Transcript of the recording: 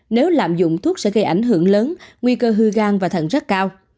nếu lạm dụng thuốc sẽ gây ảnh hưởng lớn nguy cơ hư gan và thận rất cao